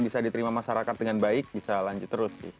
bisa diterima masyarakat dengan baik bisa lanjut terus